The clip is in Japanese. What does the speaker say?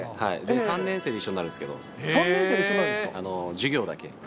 ３年生で一緒になるんですけ３年生で一緒になるんですか。